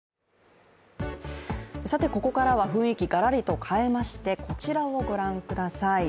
ここからは雰囲気、がらりと変えましてこちらをご覧ください。